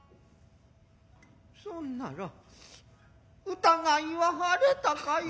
そんなら疑いは晴れたかえ。